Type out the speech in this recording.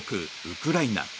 ウクライナ。